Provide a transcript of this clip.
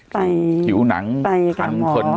ใตผิวหนังคันคนไปกับหมอ